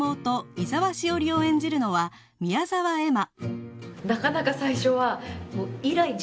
伊沢志生里を演じるのは宮澤エマ